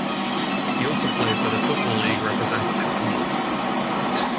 He also played for the Football League representative team.